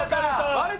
割れた！